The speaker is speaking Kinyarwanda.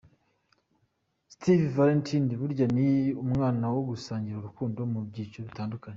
St Valentin burya ni umwanya wo gusangira urukundo mu byiciro bitandukanye.